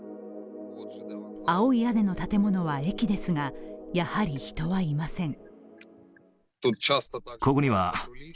青い屋根の建物は駅ですが、やはり人はいません。